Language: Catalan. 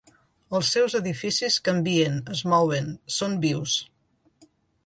Els seus edificis canvien, es mouen, són vius.